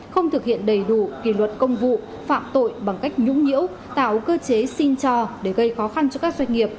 không thực hiện đầy đủ kỳ luật công vụ phạm tội bằng cách nhũng nhiễu tạo cơ chế xin cho để gây khó khăn cho các doanh nghiệp